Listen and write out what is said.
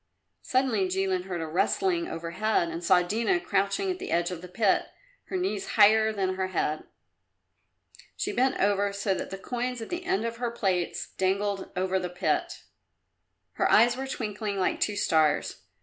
Suddenly Jilin heard a rustling overhead and saw Dina crouching at the edge of the pit, her knees higher than her head. She bent over so that the coins at the end of her plaits dangled over the pit. Her eyes were twinkling like two stars.